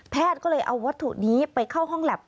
ก็เลยเอาวัตถุนี้ไปเข้าห้องแล็บ